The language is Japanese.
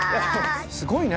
すごいね。